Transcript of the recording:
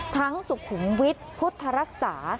ทั้งสุขุมวิทย์พุทธรรักษา